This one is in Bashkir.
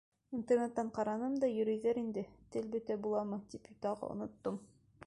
Интернеттан ҡараным да, йөрөйҙәр инде, тел бөтә буламы, тип тағы оноттом.